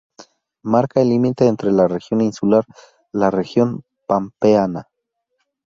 Marca el límite entre la región insular la región pampeana.